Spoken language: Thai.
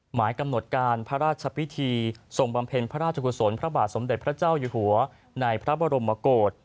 หมายกำหนดการพระราชพิธีส่งบำเพ็ญพระราชกุศลพระบาทสมเด็จพระเจ้าอยู่หัวในพระบรมโกศ